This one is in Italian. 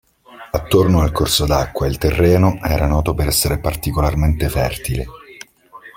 Attorno al corso d'acqua il terreno era noto per essere particolarmente fertile.